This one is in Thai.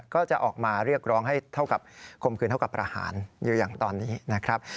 ก็จะออกมาเรียกร้องให้เท่ากับคมคืนเท่ากับประหารอยู่อย่างตอนนี้นะครับ